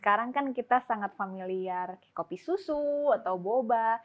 sekarang kan kita sangat familiar kopi susu atau boba